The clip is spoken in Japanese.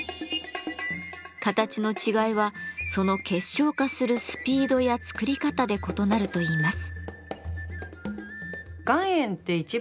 形の違いはその結晶化するスピードや作り方で異なるといいます。